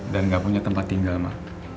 dan gak punya tempat tinggal ma